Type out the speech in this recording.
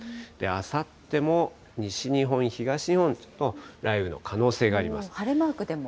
あさっても西日本、東日本、雷雨の可能性があります。